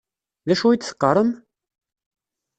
D acu i d-teqqaṛem?